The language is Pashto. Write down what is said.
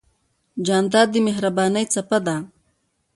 جانداد د مهربانۍ څپه ده.